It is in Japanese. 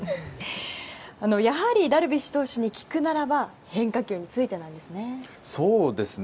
ダルビッシュ投手に聞くなら変化球についてなんですね。